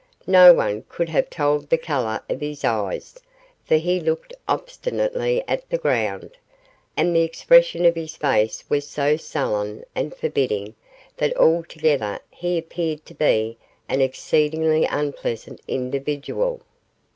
No one could have told the colour of his eyes, for he looked obstinately at the ground; and the expression of his face was so sullen and forbidding that altogether he appeared to be an exceedingly unpleasant individual.